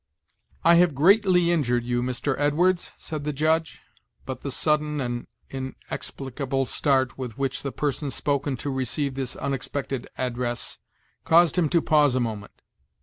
"I have greatly injured you, Mr. Edwards," said the Judge; but the sudden and inexplicable start with which the person spoken to received this unexpected address, caused him to pause a moment.